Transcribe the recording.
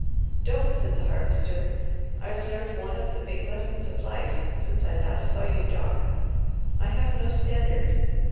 "Don't!" said the Harvester. "I've learned one of the big lessons of life since last I saw you, Doc. I have no standard.